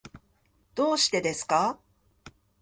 どうしてですか？